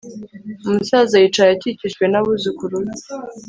umusaza yicaye akikijwe n'abuzukuru be